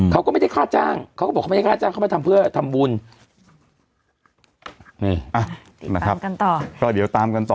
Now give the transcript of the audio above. เขาก็ไม่ได้ค่าจ้างเขาก็บอกเขาไม่ได้ค่าจ้างเขามาทำเพื่อทำบุญ